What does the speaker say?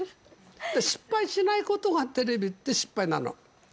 失敗しないことが、テレビって失敗なの。